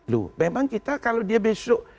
loh memang kita kalau dia besok